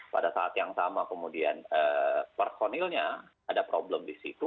pada saat yang sama kemudian personilnya ada problem di situ